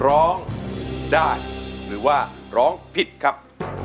ร้องได้หรือว่าร้องผิดครับ